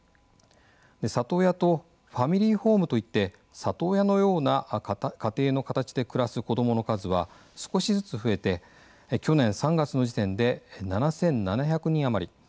里親とファミリーホームといって里親のような家庭の形で暮らす子どもの数は少しずつ増えて去年３月の時点で７，７００人余り。